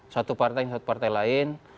satu partai satu partai lain